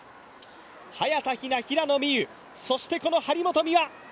早田ひな、平野美宇、そしてこの張本美和。